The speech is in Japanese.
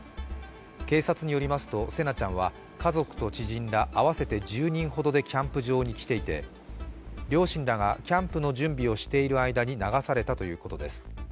警察によりますと、聖凪ちゃんは家族と知人ら合わせて１０人ほどでキャンプ場に来ていて、両親らがキャンプの準備をしている間に流されたということです。